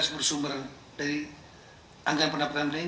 bersumber dari anggaran pendapatan lain